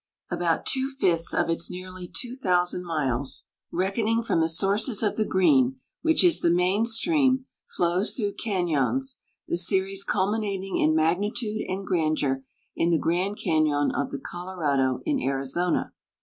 About two fifths of its nearly 2,000 miles, reckoning from the sources of the Green, which is the main stream, flows through cañons, the series culminating in magnitude and grandeur in the Grand Cañon of the Colorado in Arizona.